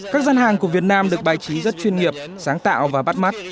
các dân hạng của việt nam được bài trí rất chuyên nghiệp sáng tạo và bắt mắt